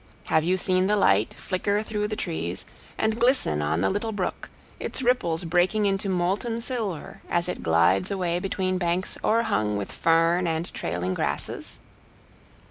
Have you seen the light flicker through the trees, and glisten on the little brook, its ripples breaking into molten silver as it glides away between banks o'erhung with fern and trailing grasses?